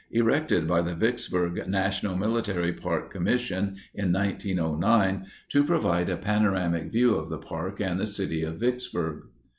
Erected by the Vicksburg National Military Park Commission, in 1909, to provide a panoramic view of the park and the city of Vicksburg.